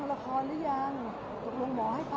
พี่สับให้เขาก่อนที่จะเข้าโรงพลีอาบรรยาบาร